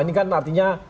ini kan artinya